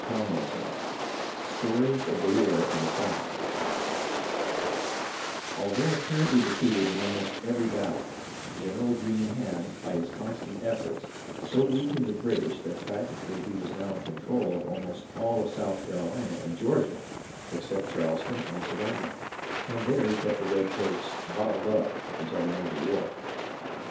CHAPTER XXXII STORIES OF THE WAR IN THE SOUTH Although apparently defeated in almost every battle, General Greene had, by his constant efforts, so weakened the British that practically he was now in control of almost all of South Carolina and Georgia except Charles ton and Savannah, and there he kept the redcoats " bottled up " until the end of the war.